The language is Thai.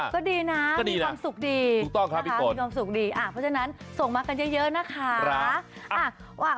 ก็ดีนะมีความสุขดีนะคะมีความสุขดีส่งมากันเยอะนะคะรับ